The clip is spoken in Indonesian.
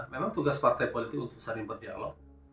memang tugas partai politik untuk saling berdialog